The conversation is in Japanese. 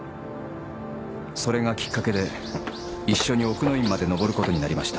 それがきっかけで一緒に奥の院まで上ることになりました。